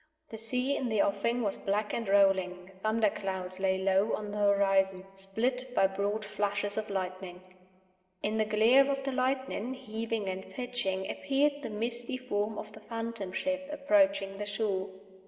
The sea in the offing was black and rolling; thunder clouds lay low on the horizon, split by broad flashes of lightning. In the glare of the lightning, heaving and pitching, appeared the misty form of the Phantom Ship approaching the shore.